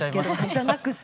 じゃなくて。